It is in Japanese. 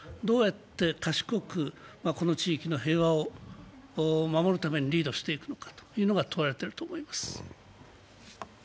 どうやって賢くこの地域の平和を守るためにリードしていくのかが問われていると思います。